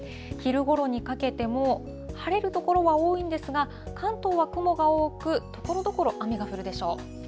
昼ごろにかけても、晴れる所は多いんですが、関東は雲が多く、ところどころ雨が降るでしょう。